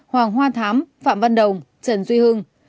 hoàng hoa thám phạm văn đồng trần duy hưng